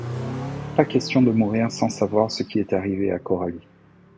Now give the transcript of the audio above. Pas question de mourir sans savoir ce qui est arrivé à Coralie.